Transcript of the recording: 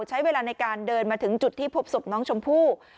ใช้เวลาในการเดินมาถึงจุดที่พบศพน้องชมพู่